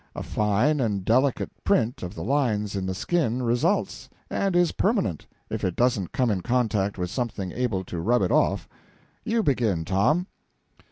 A fine and delicate print of the lines in the skin results, and is permanent, if it doesn't come in contact with something able to rub it off. You begin, Tom."